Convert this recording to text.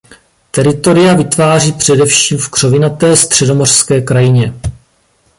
Teritoria vytváří především v křovinaté středomořské krajině.